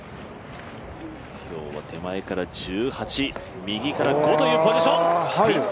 今日は手前から１８、右から５というポジション。